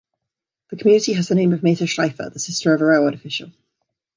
The community has the name of Meta Schreifer, the sister of a railroad official.